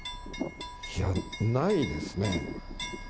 いや、ないですね。